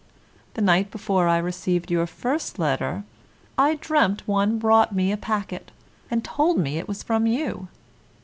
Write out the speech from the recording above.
The night before I received your first letter, I dreamt one brought me a packet, and told me it was from you.